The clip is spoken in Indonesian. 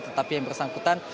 tetapi yang bersangkutan